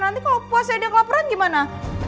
nanti kalau puasnya dia kelaparan gimana